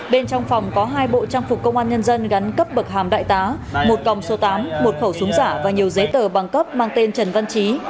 bên trong phòng có hai bộ trang phục công an nhân dân gắn cấp bậc hàm đại tá một còng số tám một khẩu súng giả và nhiều giấy tờ bằng cấp mang tên trần văn trí